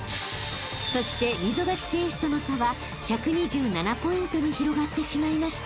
［そして溝垣選手との差は１２７ポイントに広がってしまいました］